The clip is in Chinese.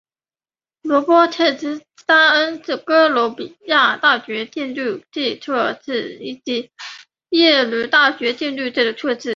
罗伯特斯坦恩是哥伦比亚大学建筑系硕士以及耶鲁大学建筑系的硕士。